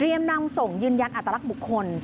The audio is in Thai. นำส่งยืนยันอัตลักษณ์บุคคล